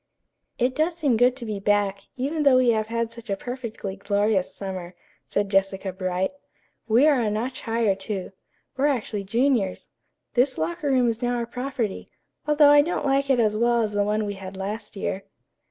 "It does seem good to be back, even though we have had such a perfectly glorious summer," said Jessica Bright. "We are a notch higher, too. We're actually juniors. This locker room is now our property, although I don't like it as well as the one we had last year."